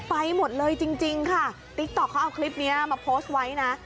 ไปหมดเลยจริงค่ะติ๊กต๊อกเขาเอาคลิปนี้มาโพสต์ไว้นะ